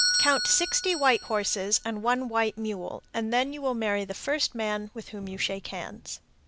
Count sixty white horses and one white mule, then you will marry the first man with whom you shake hands.